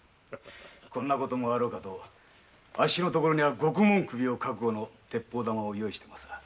こんなこともあろうかとあっしのところでは獄門首を覚悟の鉄砲玉を用意してまさぁ。